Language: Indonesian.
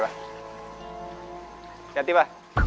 hai siap tiba